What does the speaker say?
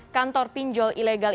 kantor pinjol ilegal